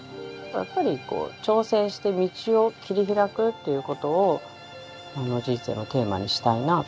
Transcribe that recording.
やっぱり挑戦して道を切り開くっていうことを人生のテーマにしたいなあ。